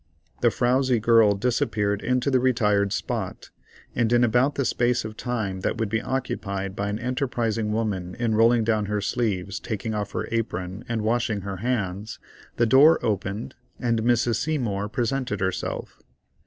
The frowzy girl disappeared into this retired spot, and in about the space of time that would be occupied by an enterprising woman in rolling down her sleeves, taking off her apron, and washing her hands, the door opened, and Mrs. Seymour presented herself.